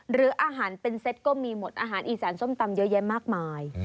หรืออาหารเป็นเซ็ตก็มีหมดอาหารอีสานส้มตำเยอะแยะมากมาย